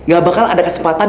gak bakal ada kesempatan